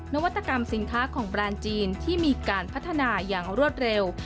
นวัตกรรมสินค้าของแบรนด์จีนที่มีการพัฒนาอย่างรวดเร็ว